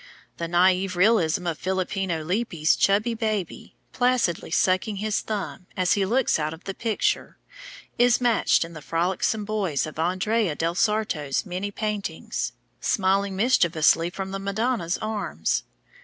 The naïve realism of Filippino Lippi's chubby baby, placidly sucking his thumb as he looks out of the picture, is matched in the frolicsome boys of Andrea del Sarto's many paintings, smiling mischievously from the Madonna's arms.